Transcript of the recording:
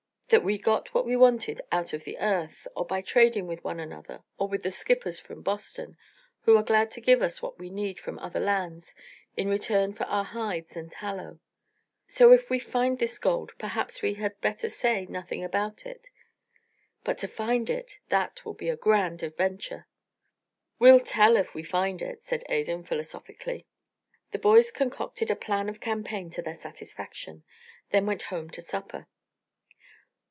That we got what we wanted out of the earth, or by trading with one another or with the skippers from Boston, who are glad to give us what we need from other lands in return for our hides and tallow. So, if we find this 'gold' perhaps we had better say nothing about it; but to find it that will be a great, a grand adventure." "We'll tell if we find it," said Adan, philosophically. The boys concocted a plan of campaign to their satisfaction, then went home to supper.